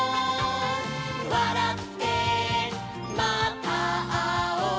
「わらってまたあおう」